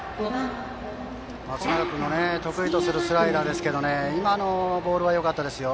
松永君が得意とするスライダーですけれども今のボールはよかったですよ。